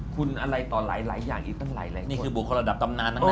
คุณอะไรต่อหลายอย่างอีกตั้งหลายคน